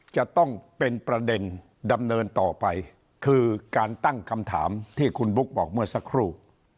จะต้องเป็นประเด็นดำเนินต่อไปคือการตั้งคำถามที่คุณบุ๊คบอกเมื่อสักครู่